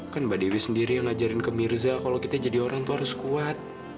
kan mbak dewi sendiri yang ngajarin ke mirza kalau kita jadi orang tua harus kuat